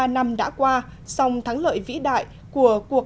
bốn mươi ba năm đã qua song thắng lợi vĩ đại của cuộc hành động